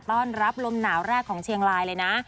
ต้อนรับลมหนาวแรกของเชียงรายเลยนะ